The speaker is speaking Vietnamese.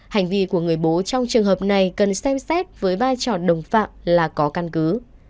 hành vi của người bố trong trường hợp này cần xem xét với vai trò đồng phạm là có căn cứ